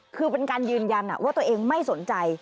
คือเป็นการยืนยันว่าตัวเองไม่สนใจ